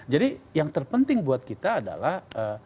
jadi yang terpenting buat kita adalah